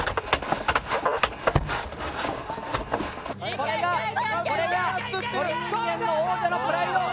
これがこれが鳥人間の王者のプライド。